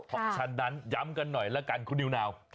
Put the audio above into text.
เพราะฉะนั้นย้ำกันหน่อยละกันคุณนิวนาว